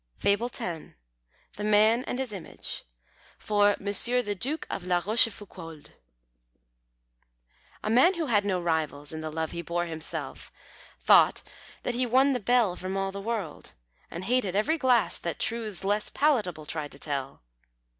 FABLE X. THE MAN AND HIS IMAGE. FOR M. THE DUKE DE LA ROCHEFOUCAULD. A man who had no rivals in the love He bore himself, thought that he won the bell From all the world, and hated every glass That truths less palatable tried to tell.